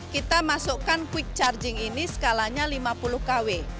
kita masukkan quick charging ini skalanya lima puluh kw